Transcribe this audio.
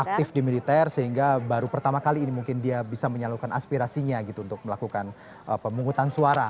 aktif di militer sehingga baru pertama kali ini mungkin dia bisa menyalurkan aspirasinya gitu untuk melakukan pemungutan suara